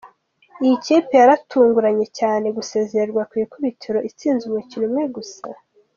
Iyi kipe yaratunguranye cyane gusezererwa ku ikubitiro itsinze umukino umwe gusa.